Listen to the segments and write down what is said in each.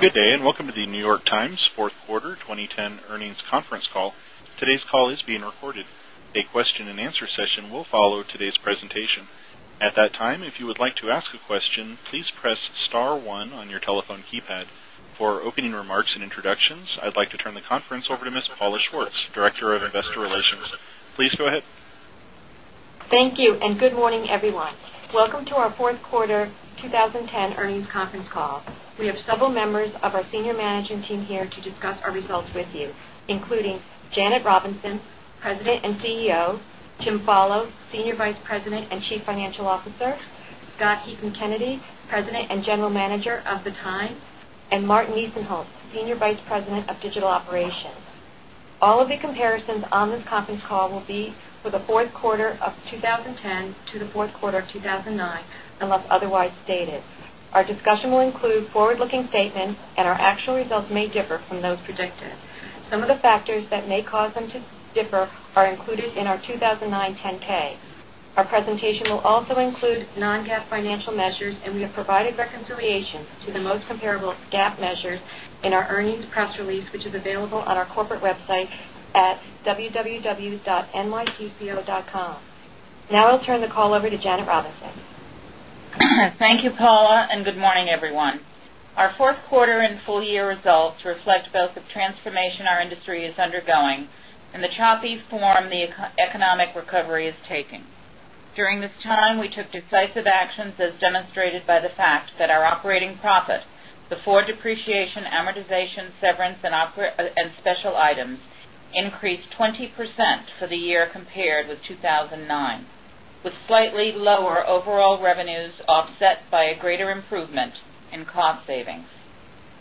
Good day, and welcome to The New York Times' Fourth Quarter 2010 Earnings Conference Call. Today's call is being recorded. A question-and-answer session will follow today's presentation. At that time, if you would like to ask a question, please press star one on your telephone keypad. For opening remarks and introductions, I'd like to turn the conference over to Ms. Paula Schwartz, Director of Investor Relations. Please go ahead. Thank you, and good morning, everyone. Welcome to our Fourth Quarter 2010 Earnings Conference Call. We have several members of our senior management team here to discuss our results with you, including Janet Robinson, President and CEO, Jim Follo, Senior Vice President and Chief Financial Officer, Scott Heekin-Canedy, President and General Manager of The Times, and Martin Nisenholtz, Senior Vice President of Digital Operations. All of the comparisons on this conference call will be for the fourth quarter of 2010 to the fourth quarter of 2009, unless otherwise stated. Our discussion will include forward-looking statements, and our actual results may differ from those predicted. Some of the factors that may cause them to differ are included in our 2009 10-K. Our presentation will also include non-GAAP financial measures, and we have provided reconciliation to the most comparable GAAP measures in our earnings press release, which is available on our corporate website at www.nytco.com. Now I'll turn the call over to Janet Robinson. Thank you, Paula, and good morning, everyone. Our fourth quarter and full year results reflect both the transformation our industry is undergoing and the choppy form the economic recovery is taking. During this time, we took decisive actions, as demonstrated by the fact that our operating profit before depreciation, amortization, severance, and special items increased 20% for the year compared with 2009, with slightly lower overall revenues offset by a greater improvement in cost savings.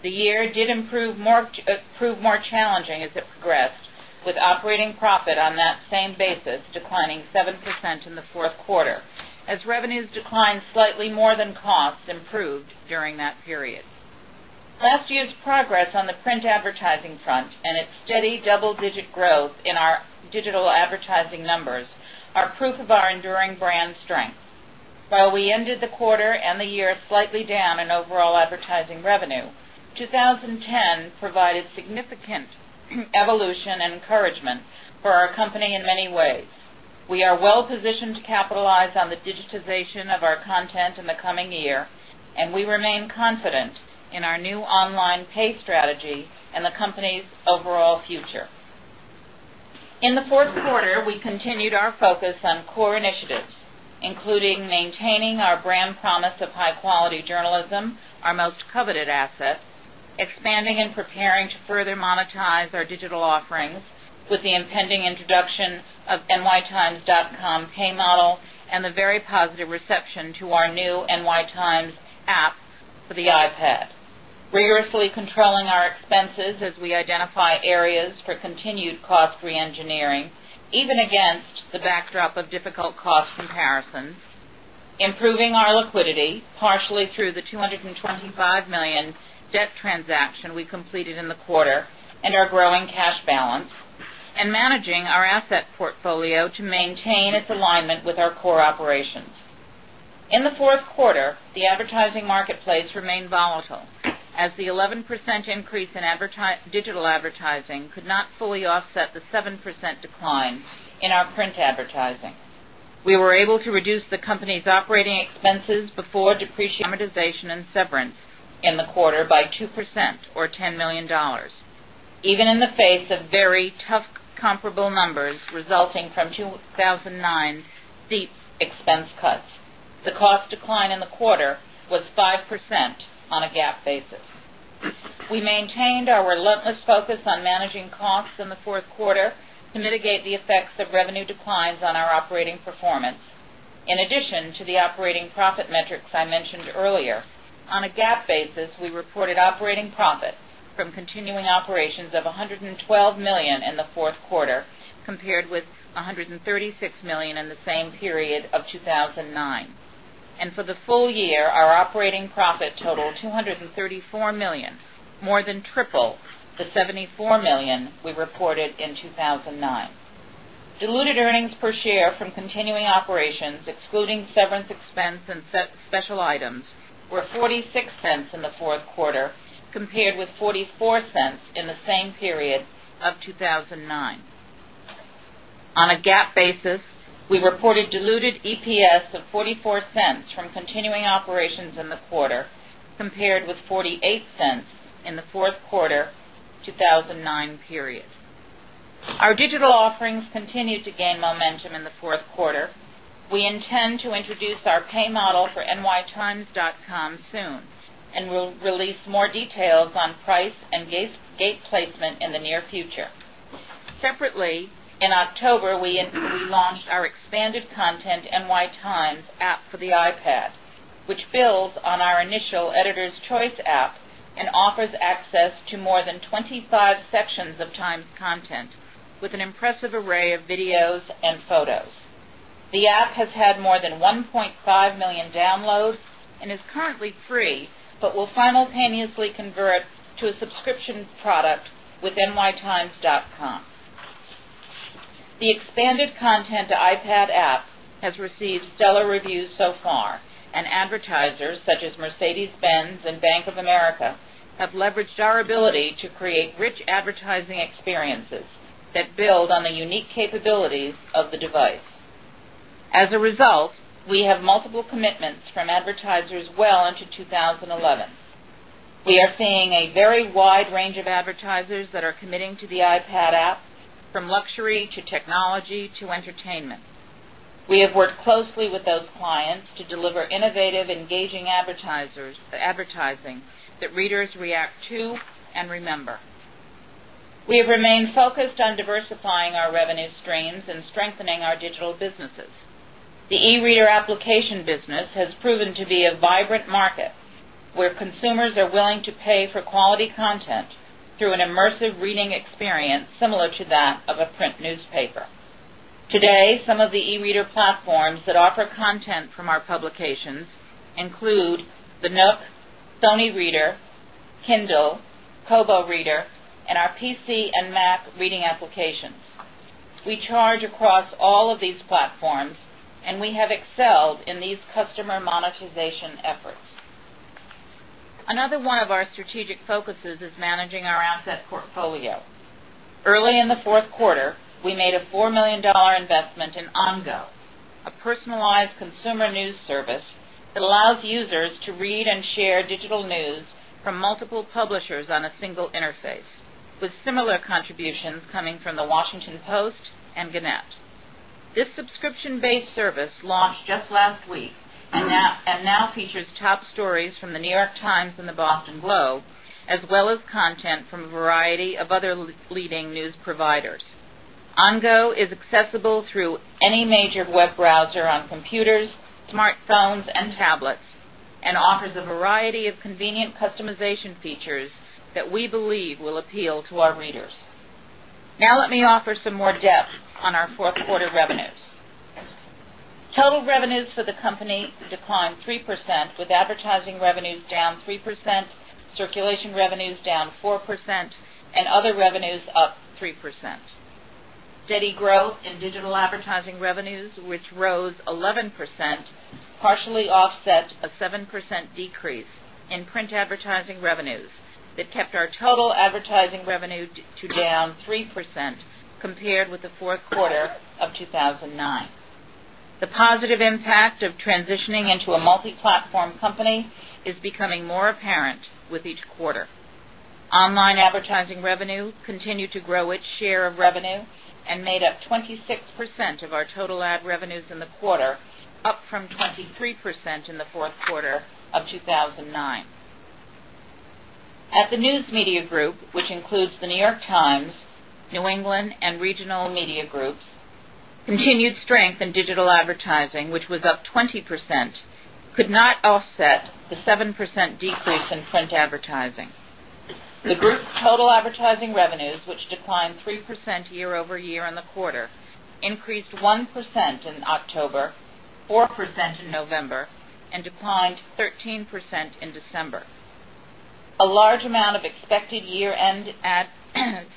The year did prove more challenging as it progressed, with operating profit on that same basis declining 7% in the fourth quarter as revenues declined slightly more than costs improved during that period. Last year's progress on the print advertising front and its steady double-digit growth in our digital advertising numbers are proof of our enduring brand strength. While we ended the quarter and the year slightly down in overall advertising revenue, 2010 provided significant evolution and encouragement for our company in many ways. We are well positioned to capitalize on the digitization of our content in the coming year, and we remain confident in our new online pay strategy and the company's overall future. In the fourth quarter, we continued our focus on core initiatives, including maintaining our brand promise of high-quality journalism, our most coveted asset, expanding and preparing to further monetize our digital offerings with the impending introduction of nytimes.com pay model and the very positive reception to our new NY Times app for the iPad, rigorously controlling our expenses as we identify areas for continued cost reengineering, even against the backdrop of difficult cost comparisons. Improving our liquidity, partially through the $225 million debt transaction we completed in the quarter and our growing cash balance. Managing our asset portfolio to maintain its alignment with our core operations. In the fourth quarter, the advertising marketplace remained volatile as the 11% increase in digital advertising could not fully offset the 7% decline in our print advertising. We were able to reduce the company's operating expenses before depreciation, amortization, and severance in the quarter by 2% or $10 million, even in the face of very tough comparable numbers resulting from 2009's steep expense cuts. The cost decline in the quarter was 5% on a GAAP basis. We maintained our relentless focus on managing costs in the fourth quarter to mitigate the effects of revenue declines on our operating performance. In addition to the operating profit metrics I mentioned earlier, on a GAAP basis, we reported operating profit from continuing operations of $112 million in the fourth quarter, compared with $136 million in the same period of 2009. For the full year, our operating profit totaled $234 million, more than triple the $74 million we reported in 2009. Diluted earnings per share from continuing operations, excluding severance expense and special items, were $0.46 in the fourth quarter, compared with $0.44 in the same period of 2009. On a GAAP basis, we reported diluted EPS of $0.44 from continuing operations in the quarter, compared with $0.48 in the fourth quarter 2009 period. Our digital offerings continued to gain momentum in the fourth quarter. We intend to introduce our pay model for nytimes.com soon, and we'll release more details on price and gate placement in the near future. Separately, in October, we launched our expanded content NY Times app for the iPad, which builds on our initial Editor's Choice app and offers access to more than 25 sections of Times content with an impressive array of videos and photos. The app has had more than 1.5 million downloads and is currently free but will simultaneously convert to a subscription product with nytimes.com. The expanded content iPad app has received stellar reviews so far, and advertisers such as Mercedes-Benz and Bank of America have leveraged our ability to create rich advertising experiences that build on the unique capabilities of the device. As a result, we have multiple commitments from advertisers well into 2011. We are seeing a very wide range of advertisers that are committing to the iPad app, from luxury to technology to entertainment. We have worked closely with those clients to deliver innovative, engaging advertising that readers react to and remember. We have remained focused on diversifying our revenue streams and strengthening our digital businesses. The e-reader application business has proven to be a vibrant market, where consumers are willing to pay for quality content through an immersive reading experience similar to that of a print newspaper. Today, some of the e-reader platforms that offer content from our publications include the Nook, Sony Reader, Kindle, Kobo Reader, and our PC and Mac reading applications. We charge across all of these platforms, and we have excelled in these customer monetization efforts. Another one of our strategic focuses is managing our asset portfolio. Early in the fourth quarter, we made a $4 million investment in Ongo, a personalized consumer news service that allows users to read and share digital news from multiple publishers on a single interface, with similar contributions coming from The Washington Post and Gannett. This subscription-based service launched just last week and now features top stories from The New York Times and The Boston Globe, as well as content from a variety of other leading news providers. Ongo is accessible through any major web browser on computers, smartphones, and tablets, and offers a variety of convenient customization features that we believe will appeal to our readers. Now let me offer some more depth on our fourth quarter revenues. Total revenues for the company declined 3%, with advertising revenues down 3%, circulation revenues down 4%, and other revenues up 3%. Steady growth in digital advertising revenues, which rose 11%, partially offset a 7% decrease in print advertising revenues that kept our total advertising revenue down 3% compared with the fourth quarter of 2009. The positive impact of transitioning into a multi-platform company is becoming more apparent with each quarter. Online advertising revenue continued to grow its share of revenue and made up 26% of our total ad revenues in the quarter, up from 23% in the fourth quarter of 2009. At the News Media Group, which includes The New York Times, New England Media Group and Regional Media Group, continued strength in digital advertising, which was up 20%, could not offset the 7% decrease in print advertising. The group's total advertising revenues, which declined 3% year-over-year in the quarter, increased 1% in October, 4% in November, and declined 13% in December. A large amount of expected year-end ad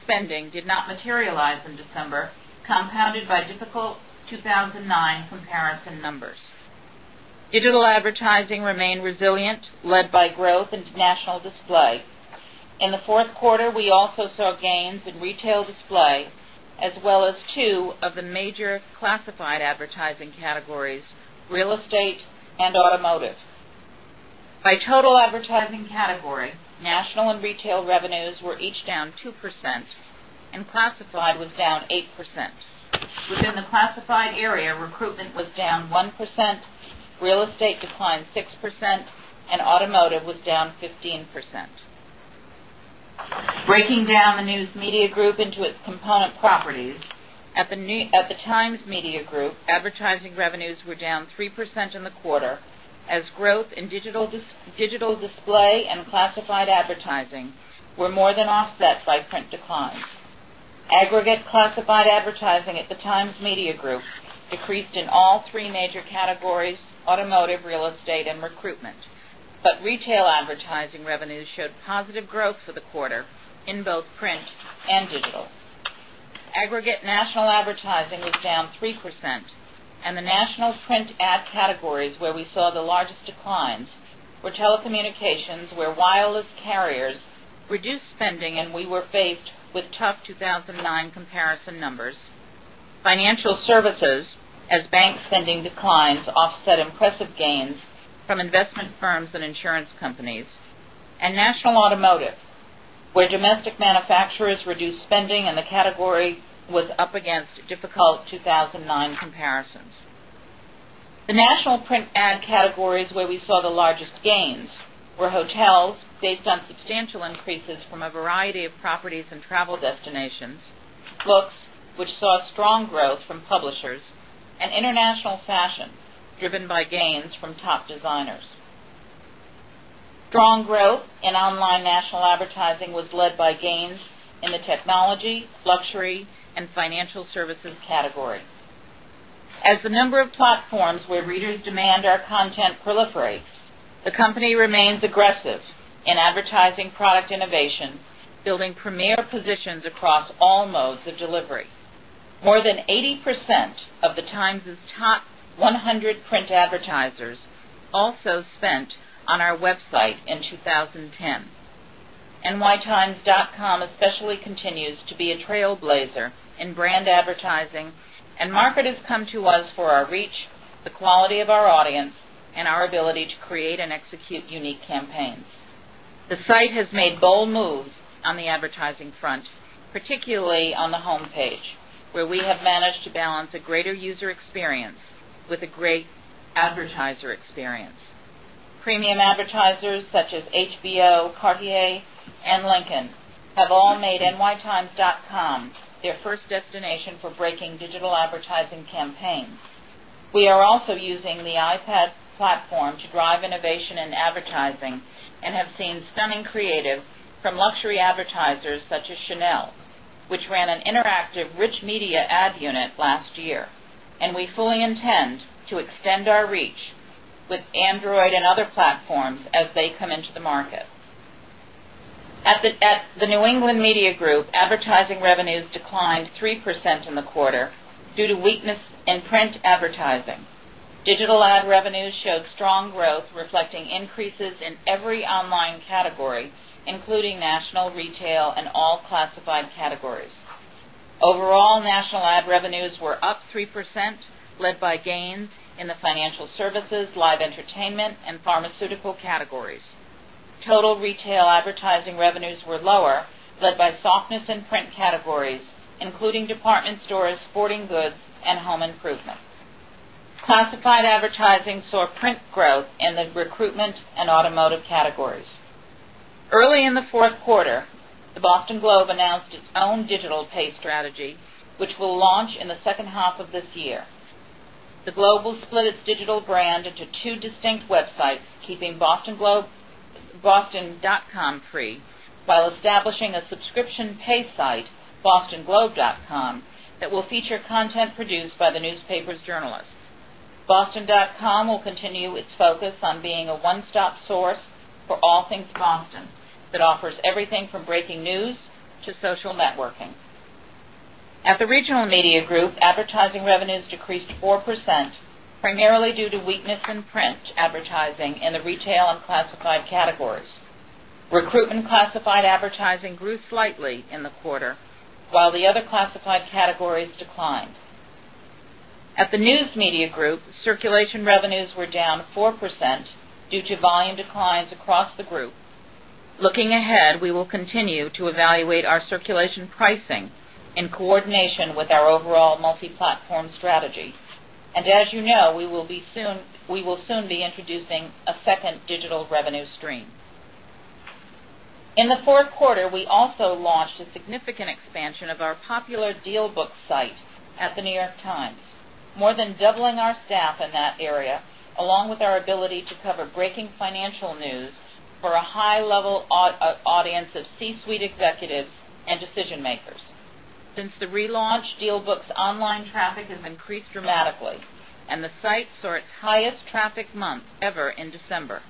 spending did not materialize in December, compounded by difficult 2009 comparison numbers. Digital advertising remained resilient, led by growth in national display. In the fourth quarter, we also saw gains in retail display, as well as two of the major classified advertising categories, real estate and automotive. By total advertising category, national and retail revenues were each down 2%, and classified was down 8%. Within the classified area, recruitment was down 1%, real estate declined 6%, and automotive was down 15%. Breaking down the News Media Group into its component properties, at the Times Media Group, advertising revenues were down 3% in the quarter as growth in digital display and classified advertising were more than offset by print declines. Aggregate classified advertising at the Times Media Group decreased in all three major categories, automotive, real estate and recruitment. Retail advertising revenues showed positive growth for the quarter in both print and digital. Aggregate national advertising was down 3%, and the national print ad categories where we saw the largest declines were telecommunications, where wireless carriers reduced spending and we were faced with tough 2009 comparison numbers. Financial services, as bank spending declines offset impressive gains from investment firms and insurance companies. National automotive, where domestic manufacturers reduced spending and the category was up against difficult 2009 comparisons. The national print ad categories where we saw the largest gains were hotels, based on substantial increases from a variety of properties and travel destinations. Books, which saw strong growth from publishers, and international fashion, driven by gains from top designers. Strong growth in online national advertising was led by gains in the technology, luxury and financial services category. As the number of platforms where readers demand our content proliferates, the company remains aggressive in advertising product innovation, building premier positions across all modes of delivery. More than 80% of The Times's top 100 print advertisers also spent on our website in 2010. nytimes.com especially continues to be a trailblazer in brand advertising, and marketers come to us for our reach, the quality of our audience, and our ability to create and execute unique campaigns. The site has made bold moves on the advertising front, particularly on the homepage, where we have managed to balance a greater user experience with a great advertiser experience. Premium advertisers such as HBO, Cartier, and Lincoln have all made nytimes.com their first destination for breaking digital advertising campaigns. We are also using the iPad platform to drive innovation in advertising and have seen stunning creative from luxury advertisers such as Chanel, which ran an interactive rich media ad unit last year. We fully intend to extend our reach with Android and other platforms as they come into the market. At the New England Media Group, advertising revenues declined 3% in the quarter due to weakness in print advertising. Digital ad revenues showed strong growth, reflecting increases in every online category, including national, retail, and all classified categories. Overall, national ad revenues were up 3%, led by gains in the financial services, live entertainment, and pharmaceutical categories. Total retail advertising revenues were lower, led by softness in print categories, including department stores, sporting goods, and home improvement. Classified advertising saw print growth in the recruitment and automotive categories. Early in the fourth quarter, The Boston Globe announced its own digital pay strategy, which will launch in the second half of this year. The Globe will split its digital brand into two distinct websites, keeping boston.com free while establishing a subscription pay site, bostonglobe.com, that will feature content produced by the newspaper's journalists. Boston.com will continue its focus on being a one-stop source for all things Boston that offers everything from breaking news to social networking. At the Regional Media Group, advertising revenues decreased 4%, primarily due to weakness in print advertising in the retail and classified categories. Recruitment classified advertising grew slightly in the quarter, while the other classified categories declined. At the News Media Group, circulation revenues were down 4% due to volume declines across the group. Looking ahead, we will continue to evaluate our circulation pricing in coordination with our overall multi-platform strategy. As you know, we will soon be introducing a second digital revenue stream. In the fourth quarter, we also launched a significant expansion of our popular DealBook site at The New York Times, more than doubling our staff in that area, along with our ability to cover breaking financial news for a high-level audience of C-suite executives and decision-makers. Since the relaunch, DealBook's online traffic has increased dramatically, and the site saw its highest traffic month ever in December,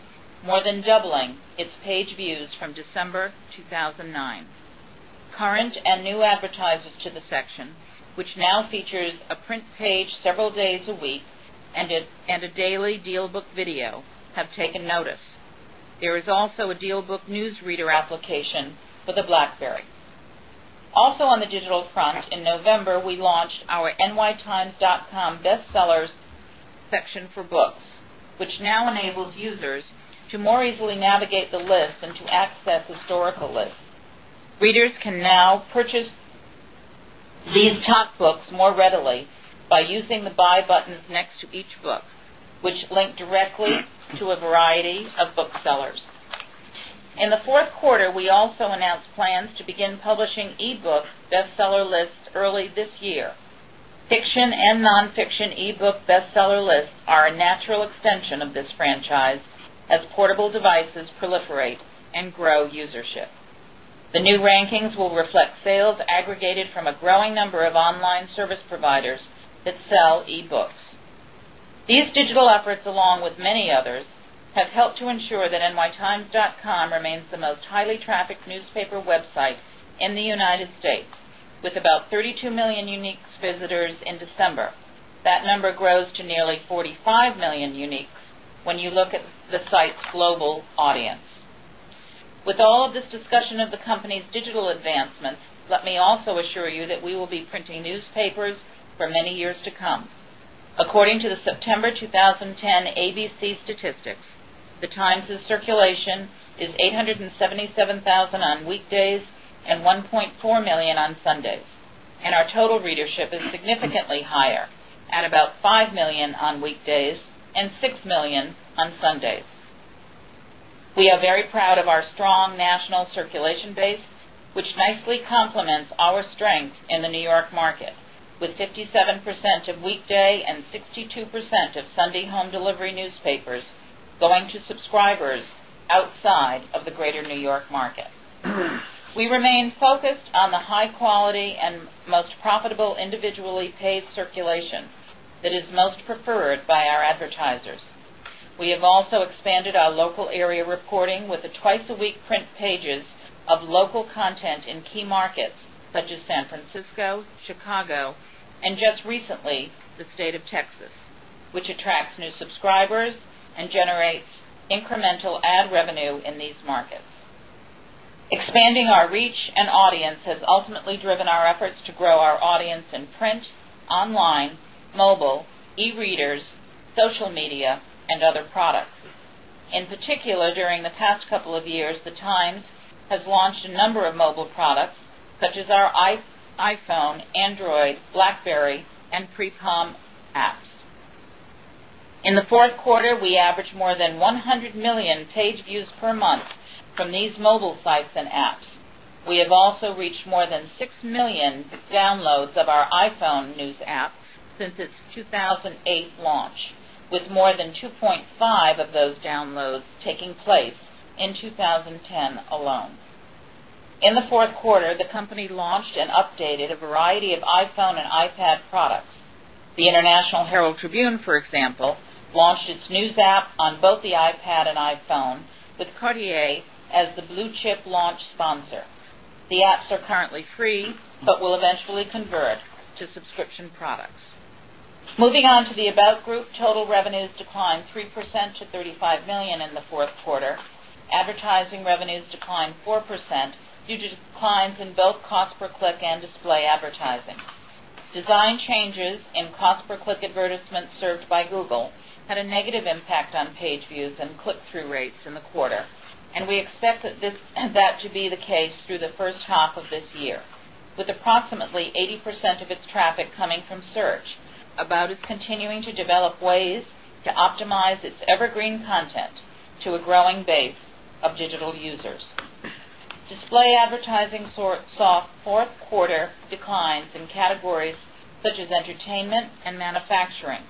more than doubling its page views from December 2009. Current and new advertisers to the section, which now features a print page several days a week and a daily DealBook video, have taken notice. There is also a DealBook news reader application for the BlackBerry. On the digital front, in November, we launched our nytimes.com Best Sellers section for books, which now enables users to more easily navigate the list and to access historical lists. Readers can now purchase these top books more readily by using the Buy buttons next to each book, which link directly to a variety of booksellers. In the fourth quarter, we also announced plans to begin publishing e-book bestseller lists early this year. Fiction and nonfiction e-book bestseller lists are a natural extension of this franchise as portable devices proliferate and grow user base. The new rankings will reflect sales aggregated from a growing number of online service providers that sell e-books. These digital efforts, along with many others, have helped to ensure that nytimes.com remains the most highly trafficked newspaper website in the United States, with about 32 million unique visitors in December. That number grows to nearly 45 million uniques when you look at the site's global audience. With all of this discussion of the company's digital advancements, let me also assure you that we will be printing newspapers for many years to come. According to the September 2010 ABC statistics, The Times's circulation is 877,000 on weekdays and 1.4 million on Sundays, and our total readership is significantly higher at about 5 million on weekdays and 6 million on Sundays. We are very proud of our strong national circulation base, which nicely complements our strength in the New York market, with 57% of weekday and 62% of Sunday home delivery newspapers going to subscribers outside of the greater New York market. We remain focused on the high quality and most profitable individually paid circulation that is most preferred by our advertisers. We have also expanded our local area reporting with the twice-a-week print pages of local content in key markets such as San Francisco, Chicago, and just recently, the state of Texas, which attracts new subscribers and generates incremental ad revenue in these markets. Expanding our reach and audience has ultimately driven our efforts to grow our audience in print, online, mobile, e-readers, social media, and other products. In particular, during the past couple of years, The Times has launched a number of mobile products such as our iPhone, Android, BlackBerry, and Palm Pre apps. In the fourth quarter, we averaged more than 100 million page views per month from these mobile sites and apps. We have also reached more than 6 million downloads of our iPhone news app since its 2008 launch, with more than 2.5 million of those downloads taking place in 2010 alone. In the fourth quarter, the company launched and updated a variety of iPhone and iPad products. The International Herald Tribune, for example, launched its news app on both the iPad and iPhone, with Cartier as the blue chip launch sponsor. The apps are currently free but will eventually convert to subscription products. Moving on to the About Group. Total revenues declined 3% to $35 million in the fourth quarter. Advertising revenues declined 4% due to declines in both cost per click and display advertising. Design changes in cost per click advertisements served by Google had a negative impact on page views and click-through rates in the quarter. We expect that to be the case through the first half of this year. With approximately 80% of its traffic coming from search, About is continuing to develop ways to optimize its evergreen content to a growing base of digital users. Display advertising saw fourth quarter declines in categories such as entertainment and manufacturing,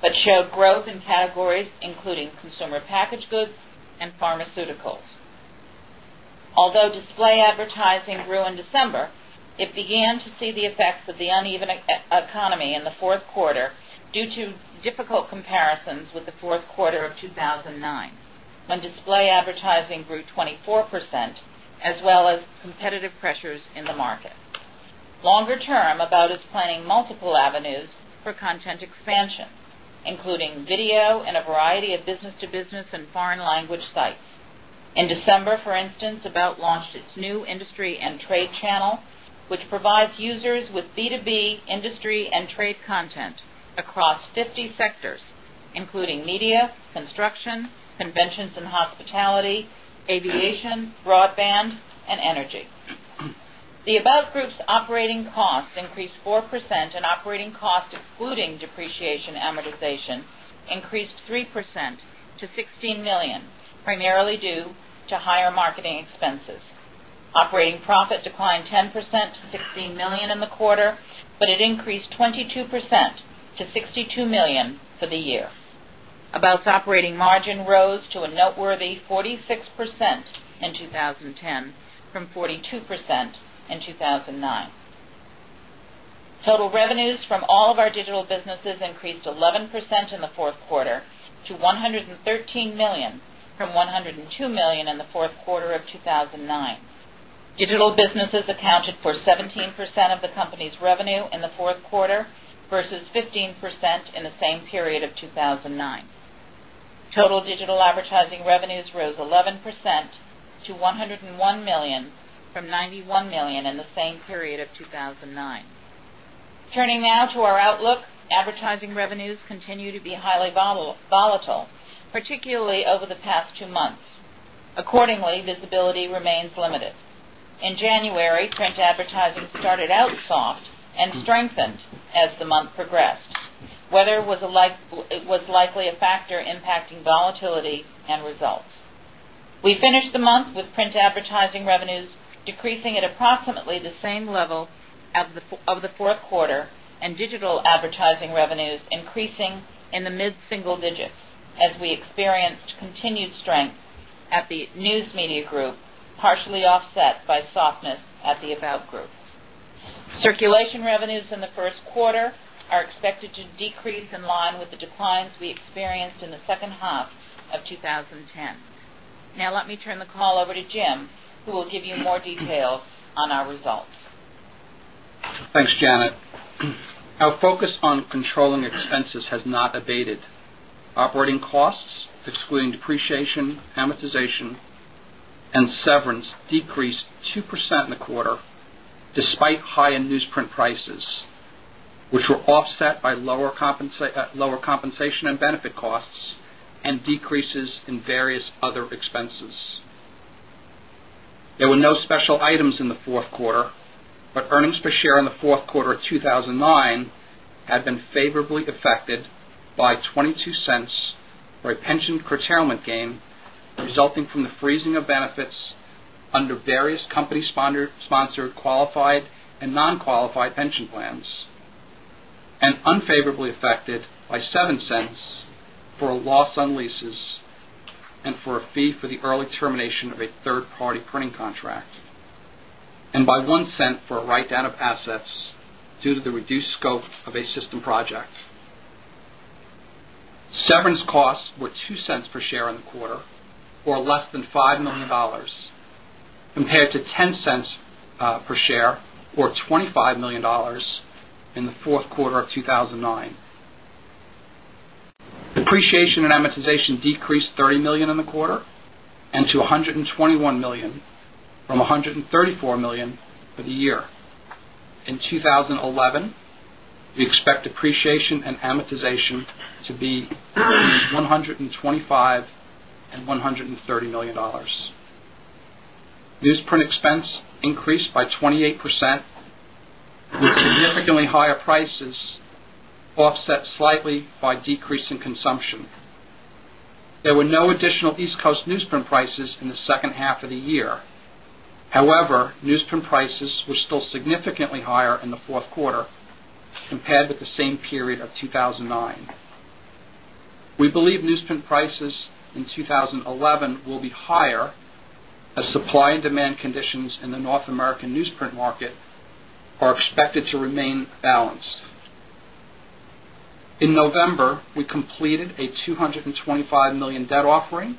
but showed growth in categories including consumer packaged goods and pharmaceuticals. Although display advertising grew in December, it began to see the effects of the uneven economy in the fourth quarter due to difficult comparisons with the fourth quarter of 2009, when display advertising grew 24%, as well as competitive pressures in the market. Longer term, About is planning multiple avenues for content expansion, including video and a variety of business-to-business and foreign language sites. In December, for instance, About launched its new industry and trade channel, which provides users with B2B industry and trade content across 50 sectors, including media, construction, conventions and hospitality, aviation, broadband, and energy. The About Group's operating costs increased 4%, and operating costs, excluding depreciation amortization, increased 3% to $16 million, primarily due to higher marketing expenses. Operating profit declined 10% to $16 million in the quarter, but it increased 22% to $62 million for the year. About's operating margin rose to a noteworthy 46% in 2010 from 42% in 2009. Total revenues from all of our digital businesses increased 11% in the fourth quarter to $113 million from $102 million in the fourth quarter of 2009. Digital businesses accounted for 17% of the company's revenue in the fourth quarter versus 15% in the same period of 2009. Total digital advertising revenues rose 11% to $101 million from $91 million in the same period of 2009. Turning now to our outlook. Advertising revenues continue to be highly volatile, particularly over the past two months. Accordingly, visibility remains limited. In January, print advertising started out soft and strengthened as the month progressed. Weather was likely a factor impacting volatility and results. We finished the month with print advertising revenues decreasing at approximately the same level of the fourth quarter, and digital advertising revenues increasing in the mid-single digits as we experienced continued strength at the News Media Group, partially offset by softness at the About Group. Circulation revenues in the first quarter are expected to decrease in line with the declines we experienced in the second half of 2010. Now, let me turn the call over to Jim, who will give you more details on our results. Thanks, Janet. Our focus on controlling expenses has not abated. Operating costs, excluding depreciation, amortization, and severance, decreased 2% in the quarter, despite higher newsprint prices, which were offset by lower compensation and benefit costs and decreases in various other expenses. There were no special items in the fourth quarter, but earnings per share in the fourth quarter of 2009 had been favorably affected by $0.22 for a pension curtailment gain resulting from the freezing of benefits under various company-sponsored, qualified and non-qualified pension plans. Unfavorably affected by $0.07 for a loss on leases and for a fee for the early termination of a third-party printing contract, and by $0.01 for a write-down of assets due to the reduced scope of a system project. Severance costs were $0.02 per share in the quarter, or less than $5 million, compared to $0.10 per share, or $25 million in the fourth quarter of 2009. Depreciation and amortization decreased $30 million in the quarter and to $121 million from $134 million for the year. In 2011, we expect depreciation and amortization to be between $125 million and $130 million. Newsprint expense increased by 28%, with significantly higher prices offset slightly by decrease in consumption. There were no additional East Coast newsprint prices in the second half of the year. However, newsprint prices were still significantly higher in the fourth quarter compared with the same period of 2009. We believe newsprint prices in 2011 will be higher as supply and demand conditions in the North American newsprint market are expected to remain balanced. In November, we completed a $225 million debt offering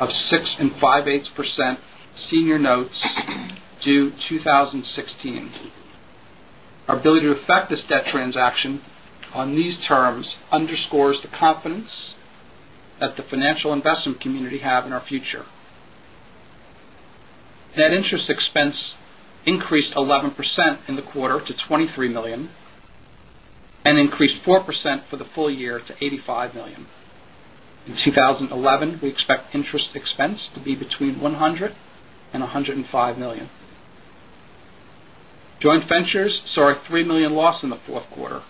of 6 5/8% senior notes due 2016. Our ability to effect this debt transaction on these terms underscores the confidence that the financial investment community have in our future. Net interest expense increased 11% in the quarter to $23 million and increased 4% for the full year to $85 million. In 2011, we expect interest expense to be between $100 million and $105 million. Joint ventures saw a $3 million loss in the fourth quarter.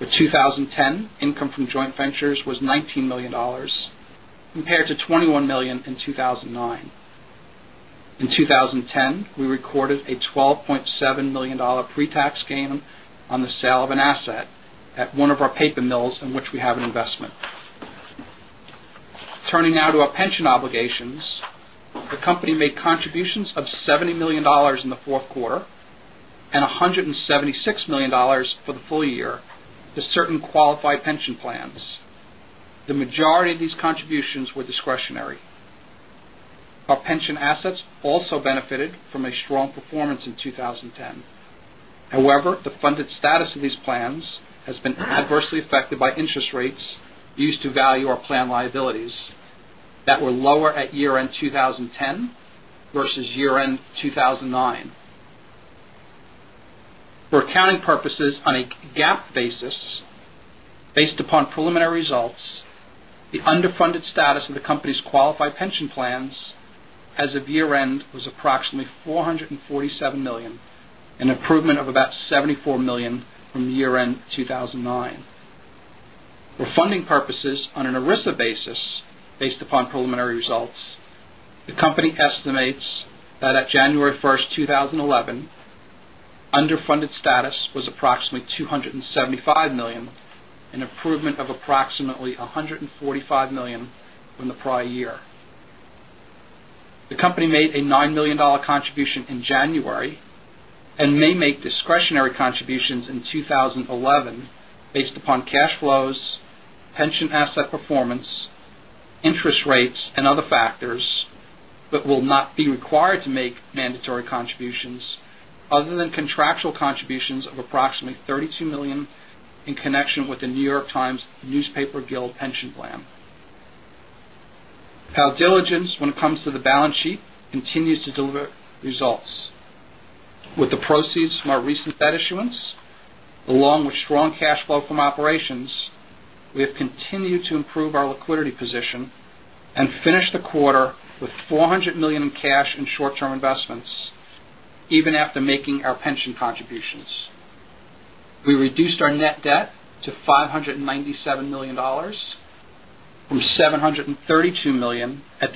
The 2010 income from joint ventures was $19 million compared to $21 million in 2009. In 2010, we recorded a $12.7 million pre-tax gain on the sale of an asset at one of our paper mills in which we have an investment. Turning now to our pension obligations, the company made contributions of $70 million in the fourth quarter and $176 million for the full year to certain qualified pension plans. The majority of these contributions were discretionary. Our pension assets also benefited from a strong performance in 2010. However, the funded status of these plans has been adversely affected by interest rates used to value our plan liabilities that were lower at year-end 2010 versus year-end 2009. For accounting purposes on a GAAP basis, based upon preliminary results, the underfunded status of the company's qualified pension plans as of year-end was approximately $447 million, an improvement of about $74 million from the year-end 2009. For funding purposes on an ERISA basis, based upon preliminary results, the company estimates that at January 1st, 2011, underfunded status was approximately $275 million, an improvement of approximately $145 million from the prior year. The company made a $9 million contribution in January and may make discretionary contributions in 2011 based upon cash flows, pension asset performance, interest rates, and other factors, but will not be required to make mandatory contributions other than contractual contributions of approximately $32 million in connection with the New York Times Guild pension plan. Our diligence when it comes to the balance sheet continues to deliver results. With the proceeds from our recent debt issuance, along with strong cash flow from operations, we have continued to improve our liquidity position and finish the quarter with $400 million in cash and short-term investments even after making our pension contributions. We reduced our net debt to $597 million from $732 million at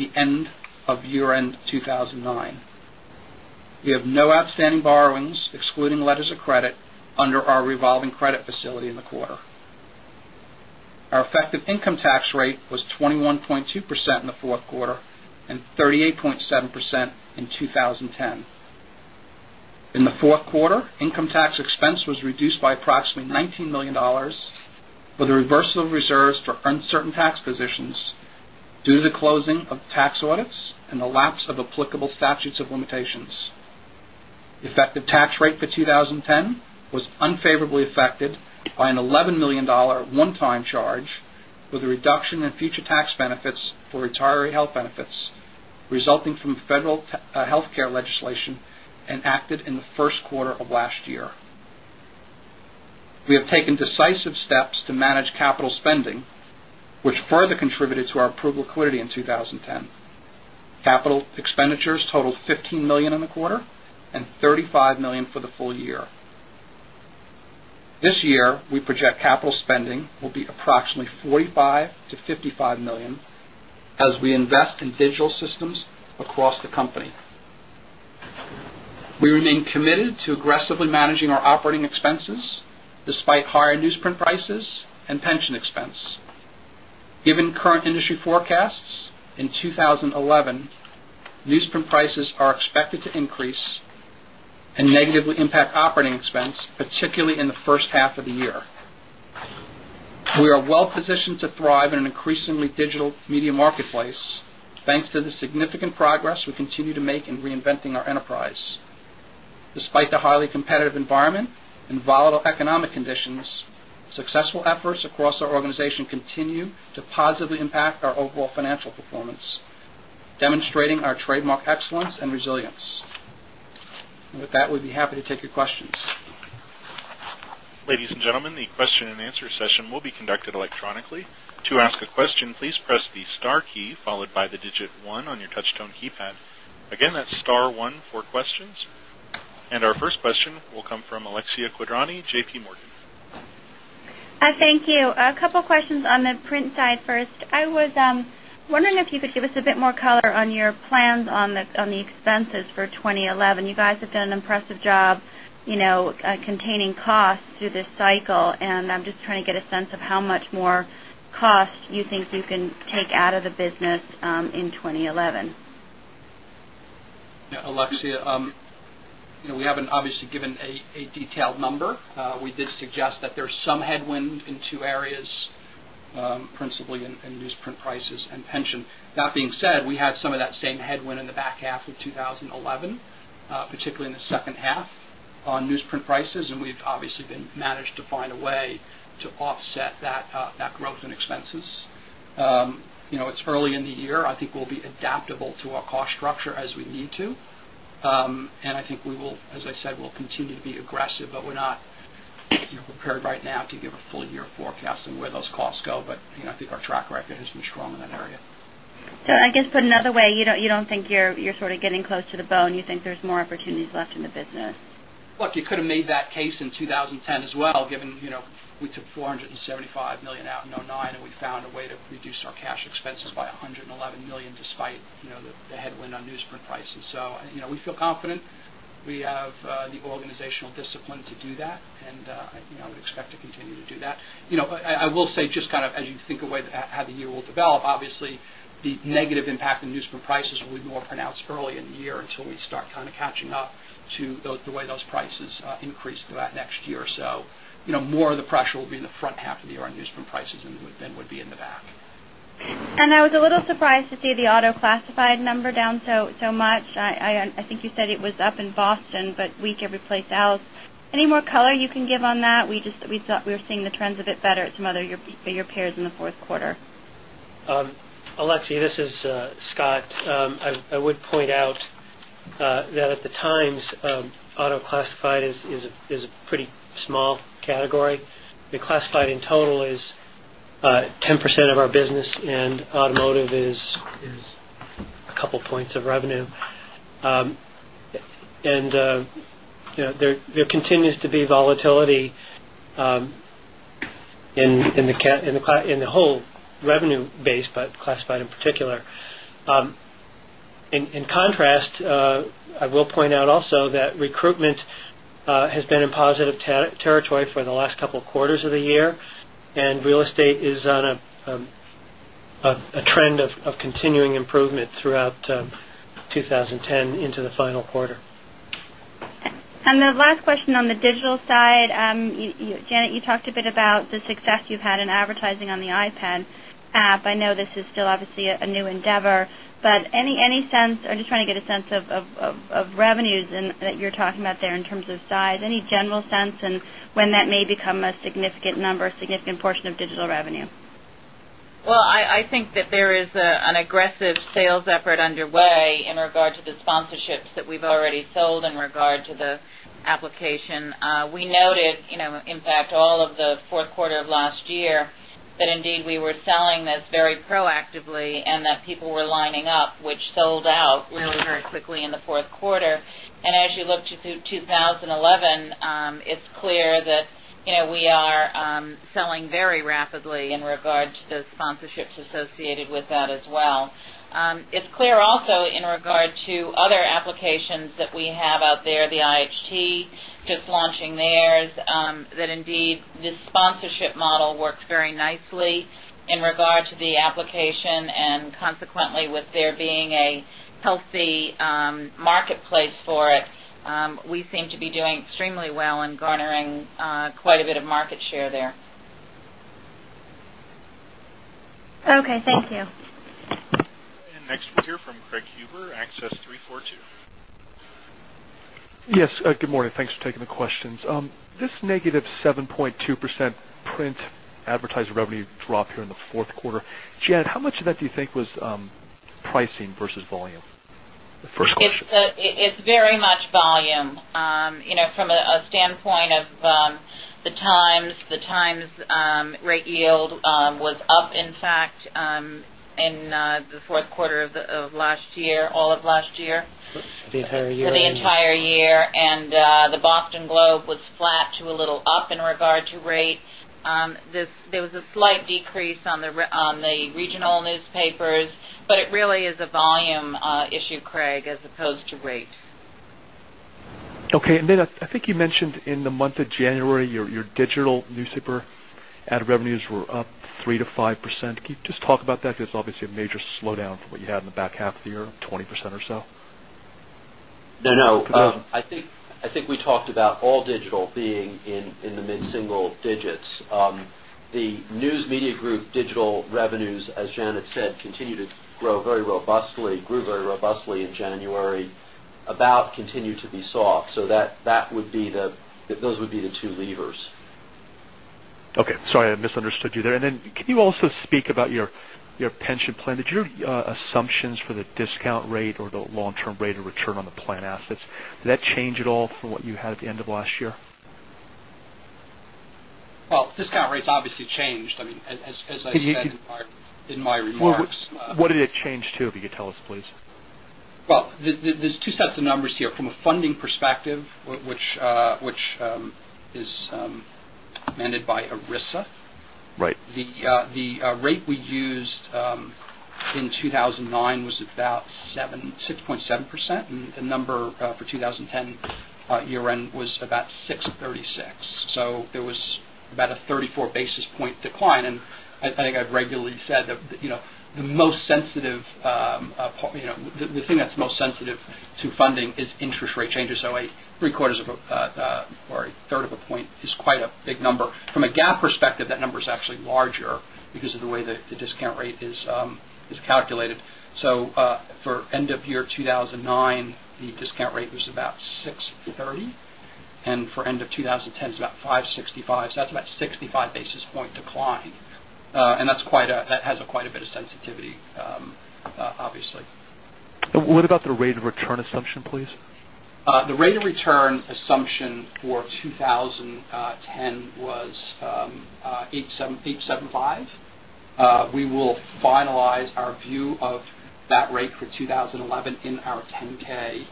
year-end 2009. We have no outstanding borrowings, excluding letters of credit, under our revolving credit facility in the quarter. Our effective income tax rate was 21.2% in the fourth quarter and 38.7% in 2010. In the fourth quarter, income tax expense was reduced by approximately $19 million for the reversal of reserves for uncertain tax positions due to the closing of tax audits and the lapse of applicable statutes of limitations. Effective tax rate for 2010 was unfavorably affected by an $11 million one-time charge with a reduction in future tax benefits for retiree health benefits, resulting from federal healthcare legislation enacted in the first quarter of last year. We have taken decisive steps to manage capital spending, which further contributed to our improved liquidity in 2010. Capital expenditures totaled $15 million in the quarter and $35 million for the full year. This year, we project capital spending will be approximately $45 million-$55 million as we invest in digital systems across the company. We remain committed to aggressively managing our operating expenses despite higher newsprint prices and pension expense. Given current industry forecasts, in 2011, newsprint prices are expected to increase and negatively impact operating expense, particularly in the first half of the year. We are well-positioned to thrive in an increasingly digital media marketplace, thanks to the significant progress we continue to make in reinventing our enterprise. Despite the highly competitive environment and volatile economic conditions, successful efforts across our organization continue to positively impact our overall financial performance, demonstrating our trademark excellence and resilience. With that, we'd be happy to take your questions. Ladies and gentlemen, the question-and-answer session will be conducted electronically. To ask a question, please press the star key followed by the digit one on your touchtone keypad. Again, that's star one for questions. Our first question will come from Alexia Quadrani, JPMorgan. Thank you. A couple questions on the print side first. I was wondering if you could give us a bit more color on your plans on the expenses for 2011. You guys have done an impressive job containing costs through this cycle, and I'm just trying to get a sense of how much more cost you think you can take out of the business in 2011. Yeah. Alexia, we haven't obviously given a detailed number. We did suggest that there's some headwind in two areas, principally in newsprint prices and pension. That being said, we had some of that same headwind in the back half of 2011, particularly in the second half on newsprint prices, and we've obviously managed to find a way to offset that growth in expenses. It's early in the year. I think we'll be adaptable to our cost structure as we need to. I think we will, as I said, we'll continue to be aggressive, but we're not prepared right now to give a full year forecast on where those costs go. I think our track record has been strong in that area. I guess put another way, you don't think you're sort of getting close to the bone? You think there's more opportunities left in the business? Look, you could have made that case in 2010 as well, given we took $475 million out in 2009, and we found a way to reduce our cash expenses by $111 million, despite the headwind on newsprint prices. We feel confident. We have the organizational discipline to do that, and I would expect to continue to do that. I will say, just as you think of how the year will develop, obviously the negative impact on newsprint prices will be more pronounced early in the year until we start kind of catching up to the way those prices increase throughout next year. More of the pressure will be in the front half of the year on newsprint prices than would be in the back. I was a little surprised to see the auto classified number down so much. I think you said it was up in Boston, but weak everyplace else. Any more color you can give on that? We thought we were seeing the trends a bit better at some of your bigger peers in the fourth quarter. Alexia, this is Scott. I would point out that at the Times, auto classified is a pretty small category. The classified in total is 10% of our business, and automotive is a couple points of revenue. There continues to be volatility in the whole revenue base, but classified in particular. In contrast, I will point out also that recruitment has been in positive territory for the last couple quarters of the year, and real estate is on a trend of continuing improvement throughout 2010 into the final quarter. The last question on the digital side. Janet, you talked a bit about the success you've had in advertising on the iPad app. I know this is still obviously a new endeavor, but any sense, or just trying to get a sense of revenues that you're talking about there in terms of size? Any general sense of when that may become a significant number, a significant portion of digital revenue? Well, I think that there is an aggressive sales effort underway in regard to the sponsorships that we've already sold in regard to the application. We noted, in fact, all of the fourth quarter of last year, that indeed we were selling this very proactively and that people were lining up, which sold out really very quickly in the fourth quarter. As you look to 2011, it's clear that we are selling very rapidly in regard to the sponsorships associated with that as well. It's clear also in regard to other applications that we have out there, the IHT just launching theirs, that indeed this sponsorship model works very nicely in regard to the application and consequently with there being a healthy marketplace for it. We seem to be doing extremely well and garnering quite a bit of market share there. Okay, thank you. Next we hear from Craig Huber, Access 342. Yes. Good morning. Thanks for taking the questions. This -7.2% print advertising revenue drop here in the fourth quarter. Janet, how much of that do you think was pricing versus volume? First question. It's very much volume. From a standpoint of the Times, the Times rate yield was up, in fact, in the fourth quarter of last year, all of last year. The entire year. For the entire year. The Boston Globe was flat to a little up in regard to rates. There was a slight decrease on the regional newspapers, but it really is a volume issue, Craig, as opposed to rate. Okay. I think you mentioned in the month of January, your digital newspaper ad revenues were up 3%-5%. Can you just talk about that? Because it's obviously a major slowdown from what you had in the back half of the year, 20% or so. No. I think we talked about all digital being in the mid-single digits. The News Media Group digital revenues, as Janet said, continue to grow very robustly, grew very robustly in January. About.com continue to be soft. Those would be the two levers. Okay. Sorry, I misunderstood you there. Can you also speak about your pension plan? Did your assumptions for the discount rate or the long-term rate of return on the plan assets, did that change at all from what you had at the end of last year? Well, discount rates obviously changed. As I said in my remarks. What did it change to, if you could tell us, please? Well, there's two sets of numbers here. From a funding perspective, which is amended by ERISA. Right. The rate we used in 2009 was about 6.7%, and the number for 2010 year-end was about 636. There was about a 34 basis point decline. I think I've regularly said that the thing that's most sensitive to funding is interest rate changes. Three-quarters or a third of a point is quite a big number. From a GAAP perspective, that number is actually larger because of the way the discount rate is calculated. For end of year 2009, the discount rate was about 630. For end of 2010, it's about 565. That's about 65 basis point decline. That has quite a bit of sensitivity, obviously. What about the rate of return assumption, please? The rate of return assumption for 2010 was 875. We will finalize our view of that rate for 2011 in our 10-K,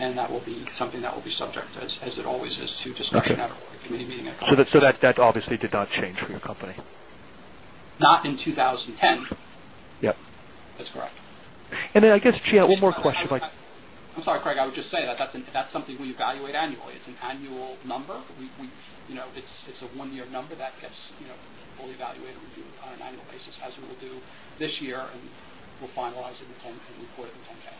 and that will be something that will be subject, as it always is, to discussion at our committee meeting. That obviously did not change for your company. Not in 2010. Yep. That's correct. I guess, Janet, one more question. I'm sorry, Craig, I would just say that that's something we evaluate annually. It's an annual number. It's a one-year number that gets fully evaluated and reviewed on an annual basis, as we will do this year, and we'll finalize it and report it in 10-K.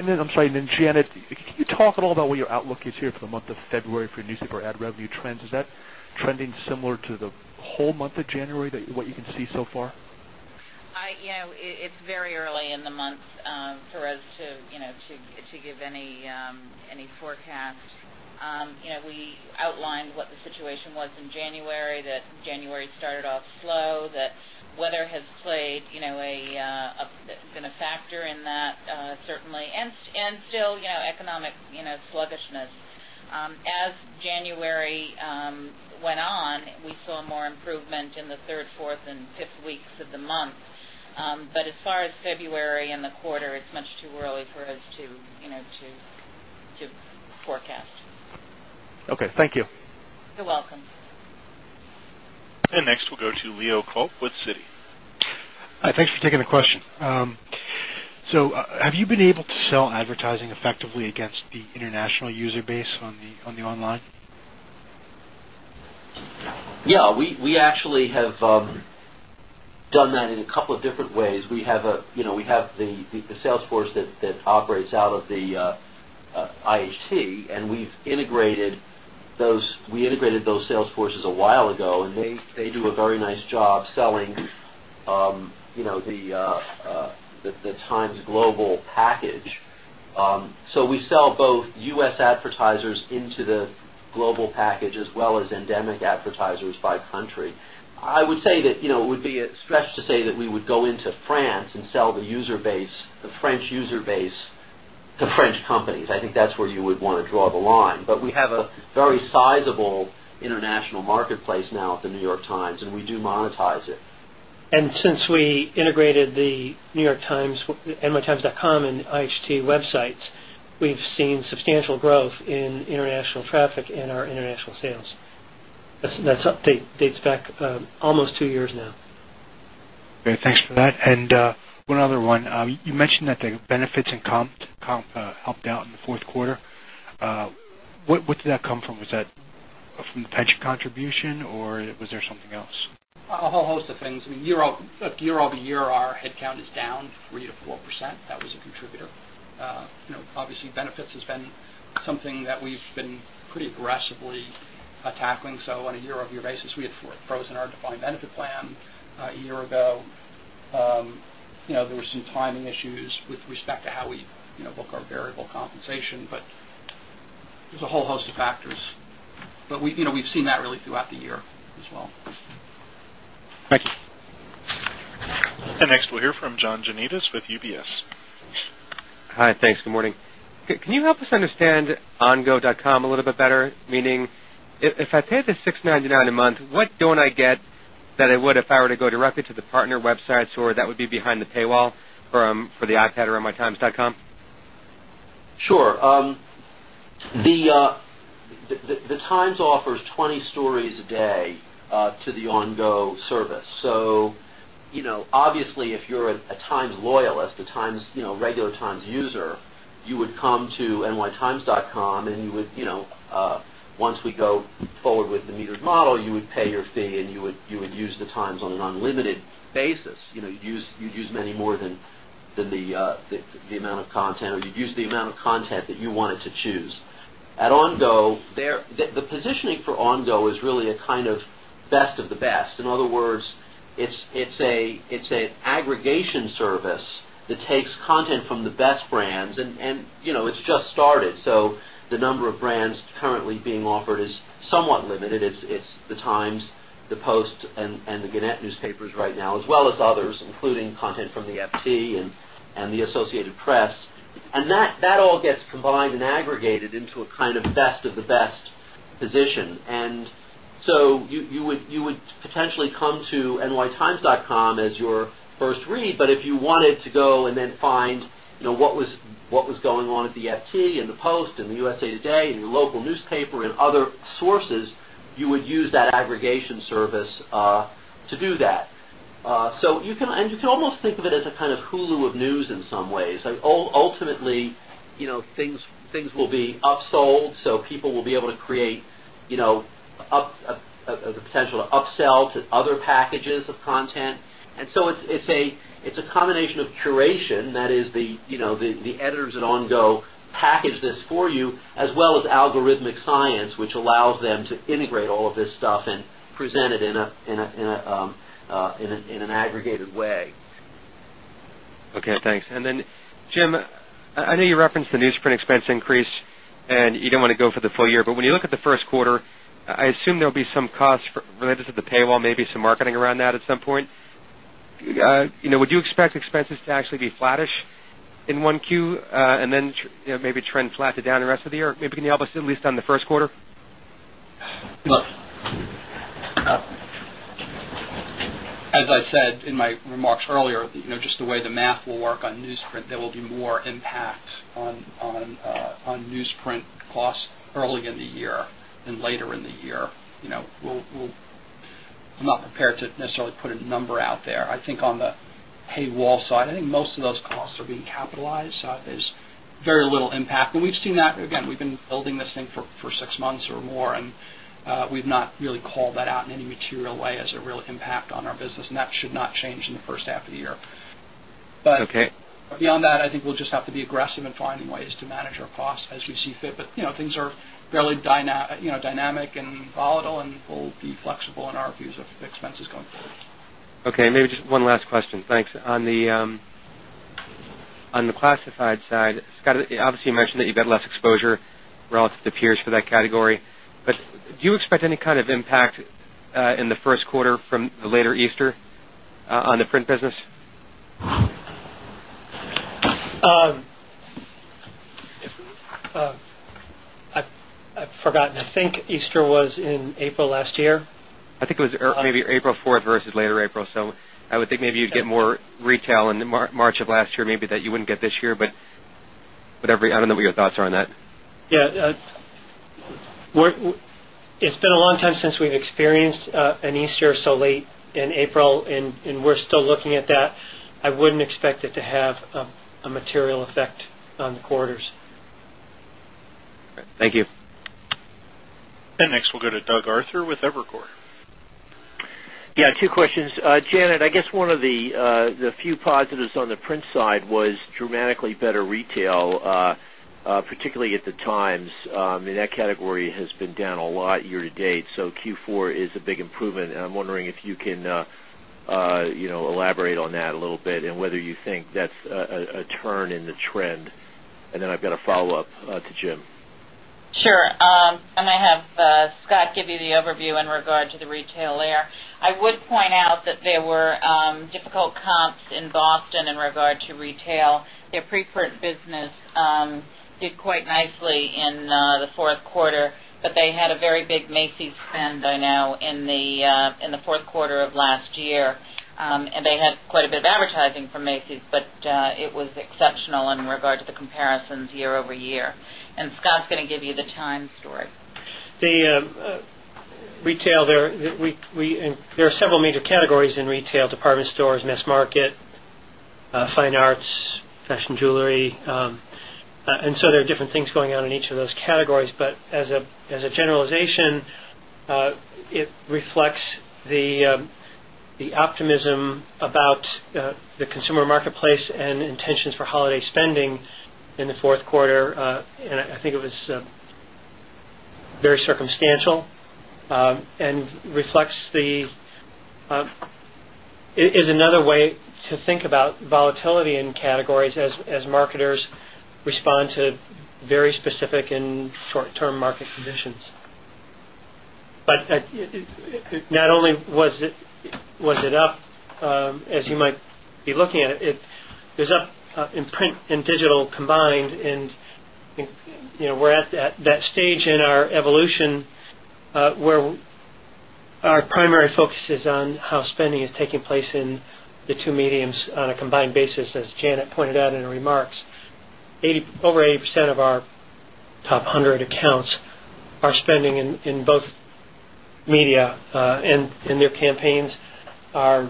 I'm sorry. Janet, can you talk at all about what your outlook is here for the month of February for your newspaper ad revenue trends? Is that trending similar to the whole month of January, what you can see so far? It's very early in the month for us to give any forecast. We outlined what the situation was in January, that January started off slow, that weather has been a factor in that, certainly. Still economic sluggishness. As January went on, we saw more improvement in the third, fourth, and fifth weeks of the month. As far as February and the quarter, it's much too early for us to forecast. Okay. Thank you. You're welcome. Next, we'll go to Leo Kulp with Citi. Hi. Thanks for taking the question. Have you been able to sell advertising effectively against the international user base online? Yeah. We actually have done that in a couple of different ways. We have the sales force that operates out of the IHT, and we integrated those sales forces a while ago, and they do a very nice job selling the Times global package. We sell both U.S. advertisers into the global package as well as endemic advertisers by country. I would say that it would be a stretch to say that we would go into France and sell the user base, the French user base to French companies. I think that's where you would want to draw the line. We have a very sizable international marketplace now at The New York Times, and we do monetize it. Since we integrated The New York Times, nytimes.com, and IHT websites, we've seen substantial growth in international traffic and our international sales. That update dates back almost two years now. Great. Thanks for that. One other one. You mentioned that the benefits and comp helped out in the fourth quarter. Where did that come from? Was that from the pension contribution, or was there something else? A whole host of things. Year-over-year, our headcount is down 3%-4%. That was a contributor. Obviously, benefits has been something that we've been pretty aggressively tackling. So on a year-over-year basis, we had frozen our defined benefit plan a year ago. There were some timing issues with respect to how we book our variable compensation, but there's a whole host of factors. We've seen that really throughout the year as well. Thank you. Next, we'll hear from John Janedis with UBS. Hi. Thanks. Good morning. Can you help us understand Ongo a little bit better? Meaning if I pay the $6.99 a month, what don't I get that I would if I were to go directly to the partner websites or that would be behind the paywall for the iPad or nytimes.com? Sure. The Times offers 20 stories a day to the Ongo service. Obviously, if you're a Times loyalist, a regular Times user, you would come to nytimes.com and once we go forward with the metered model, you would pay your fee and you would use The Times on an unlimited basis. You'd use many more than the amount of content, or you'd use the amount of content that you wanted to choose. At Ongo, the positioning for Ongo is really a kind of best of the best. In other words, it's an aggregation service that takes content from the best brands, and it's just started, so the number of brands currently being offered is somewhat limited. It's The Times, The Post, and the Gannett Newspapers right now, as well as others, including content from the FT and the Associated Press. That all gets combined and aggregated into a kind of best of the best position. You would potentially come to nytimes.com as your first read, but if you wanted to go and then find what was going on at the FT, and The Post, and the USA Today, and your local newspaper, and other sources, you would use that aggregation service to do that. You can almost think of it as a kind of Hulu of news in some ways. Ultimately, things will be upsold, so people will be able to create the potential to upsell to other packages of content. It's a combination of curation, that is the editors at Ongo package this for you, as well as algorithmic science, which allows them to integrate all of this stuff and present it in an aggregated way. Okay, thanks. Jim, I know you referenced the newsprint expense increase, and you don't want to go for the full year, but when you look at the first quarter, I assume there'll be some costs related to the paywall, maybe some marketing around that at some point. Would you expect expenses to actually be flattish in 1Q, and then maybe trend flat to down the rest of the year? Maybe can you help us at least on the first quarter? Look, as I said in my remarks earlier, just the way the math will work on newsprint, there will be more impact on newsprint costs early in the year than later in the year. I'm not prepared to necessarily put a number out there. I think on the paywall side, I think most of those costs are being capitalized, so there's very little impact. We've seen that, again, we've been building this thing for six months or more, and we've not really called that out in any material way as a real impact on our business, and that should not change in the first half of the year. Okay. beyond that, I think we'll just have to be aggressive in finding ways to manage our costs as we see fit. Things are fairly dynamic and volatile, and we'll be flexible in our views of expenses going forward. Okay, maybe just one last question. Thanks. On the classified side, Scott, obviously you mentioned that you've got less exposure relative to peers for that category, but do you expect any kind of impact in the first quarter from the later Easter on the print business? I've forgotten. I think Easter was in April last year. I think it was maybe April 4th versus later April, so I would think maybe you'd get more retail in March of last year, maybe that you wouldn't get this year. I don't know what your thoughts are on that. Yeah. It's been a long time since we've experienced an Easter so late in April, and we're still looking at that. I wouldn't expect it to have a material effect on the quarters. Thank you. Next, we'll go to Doug Arthur with Evercore. Yeah, two questions. Janet, I guess one of the few positives on the print side was dramatically better retail, particularly at The Times. That category has been down a lot year-to-date, so Q4 is a big improvement. I'm wondering if you can elaborate on that a little bit and whether you think that's a turn in the trend. I've got a follow-up to Jim. Sure. I may have Scott give you the overview in regard to the retail there. I would point out that there were difficult comps in Boston in regard to retail. Their pre-print business did quite nicely in the fourth quarter, but they had a very big Macy's spend by now in the fourth quarter of last year. They had quite a bit of advertising from Macy's, but it was exceptional in regard to the comparisons year-over-year. Scott's going to give you The Times story. There are several major categories in retail, department stores, mass market, fine arts, fashion jewelry. There are different things going on in each of those categories. As a generalization, it reflects the optimism about the consumer marketplace and intentions for holiday spending in the fourth quarter. I think it was very circumstantial and is another way to think about volatility in categories as marketers respond to very specific and short-term market conditions. Not only was it up as you might be looking at it was up in print and digital combined, and we're at that stage in our evolution where our primary focus is on how spending is taking place in the two media on a combined basis, as Janet pointed out in her remarks. Over 80% of our top 100 accounts are spending in both media, and their campaigns are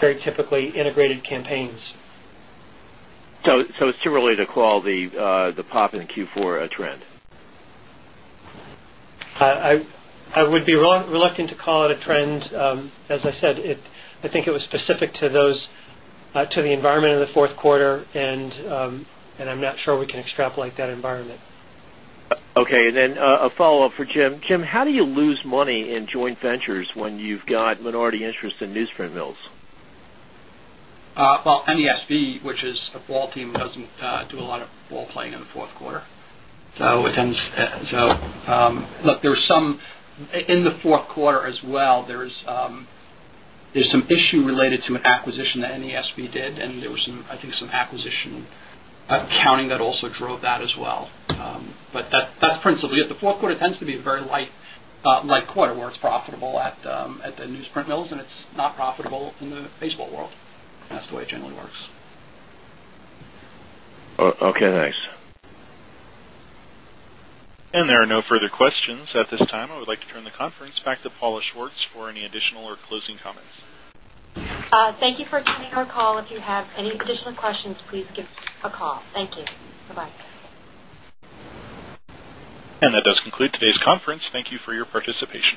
very typically integrated campaigns. It's too early to call the pop in Q4 a trend? I would be reluctant to call it a trend. As I said, I think it was specific to the environment in the fourth quarter, and I'm not sure we can extrapolate that environment. Okay, a follow-up for Jim. Jim, how do you lose money in joint ventures when you've got minority interest in newsprint mills? Well, NESV, which is a ball team, doesn't do a lot of ball playing in the fourth quarter. Look, in the fourth quarter as well, there's some issue related to an acquisition that NESV did, and there was, I think, some acquisition accounting that also drove that as well. That's principally it. The fourth quarter tends to be a very light quarter where it's profitable at the newsprint mills, and it's not profitable in the baseball world. That's the way it generally works. Okay, thanks. There are no further questions at this time. I would like to turn the conference back to Paula Schwartz for any additional or closing comments. Thank you for attending our call. If you have any additional questions, please give us a call. Thank you. Bye-bye. That does conclude today's conference. Thank you for your participation.